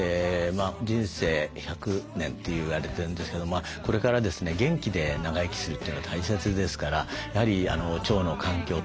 人生１００年って言われてるんですけどこれからですね元気で長生きするというのは大切ですからやはり腸の環境を整える。